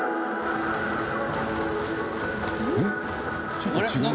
ちょっと違う。